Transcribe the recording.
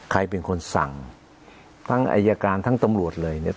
ใครเป็นคนสั่งทั้งอายการทั้งตำรวจเลยเนี่ย